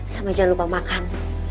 sama jangan lupa makan